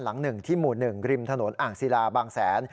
หลัง๑ที่หมู่๑ริมถนนอ่างศิลาบางแสน